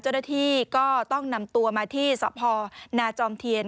เจ้าหน้าที่ก็ต้องนำตัวมาที่สพนาจอมเทียน